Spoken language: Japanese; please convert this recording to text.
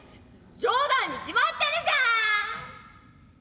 冗談に決まってるじゃん！」。